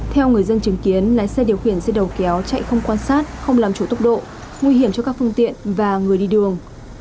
theo người dân chứng kiến lái xe điều khiển xe đầu kéo chạy không quan sát không làm chủ tốc độ nguy hiểm cho các phương tiện và người đi đường